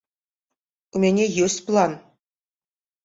У мяне ёсць план.